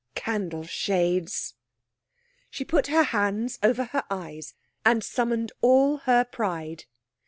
Candle shades! She put her hands over her eyes and summoned all her pride.